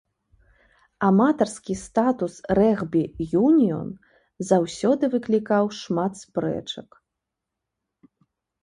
Аматарскі статус рэгбі-юніён заўсёды выклікаў шмат спрэчак.